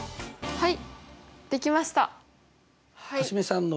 はい。